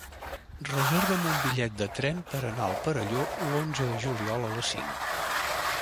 Reserva'm un bitllet de tren per anar al Perelló l'onze de juliol a les cinc.